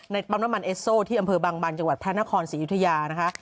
ปั๊มน้ำมันเอสโซที่อำเภอบางบันจังหวัดพระนครศรีอยุธยานะคะ